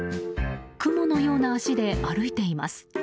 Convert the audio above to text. クモのような脚で歩いています。